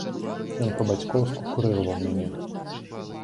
Ён па-бацькоўску курыраваў мяне.